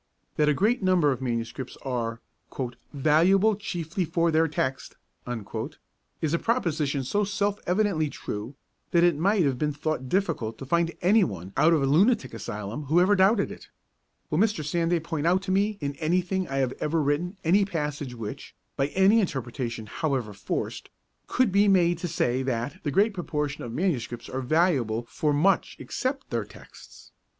That a great number of manuscripts are 'valuable chiefly for their text' is a proposition so self evidently true, that it might have been thought difficult to find any one out of a lunatic asylum who ever doubted it. Will Mr. Sanday point out to me in anything I have ever written any passage which, by any interpretation however forced, could be made to say that the great proportion of manuscripts are valuable for much except their texts?